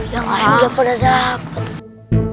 yang lain juga udah dapet